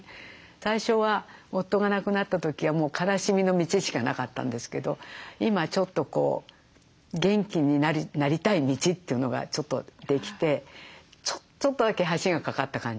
最初は夫が亡くなった時はもう悲しみの道しかなかったんですけど今ちょっとこう元気になりたい道というのがちょっとできてちょっとだけ橋が架かった感じ。